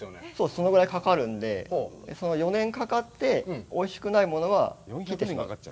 そのぐらいかかるので、その４年かかっておいしくないものは切ってしまう。